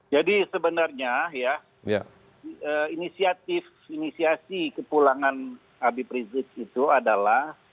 jadi sebenarnya ya inisiatif inisiasi kepulangan habib rizik itu adalah